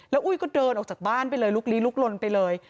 อุ้ยก็เดินออกจากบ้านไปเลยลุกลีลุกลนไปเลย